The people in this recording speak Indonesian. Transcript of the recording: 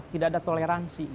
tidak ada toleransi